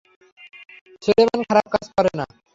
সুলেমান খারাপ কাজ করে না।